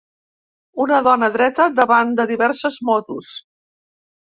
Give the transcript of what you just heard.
una dona dreta davant de diverses motos